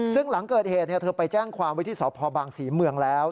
ซึ่งหลังเกิดเหตุเธอไปแจ้งความไว้ที่สพบางศรีเมืองแล้ว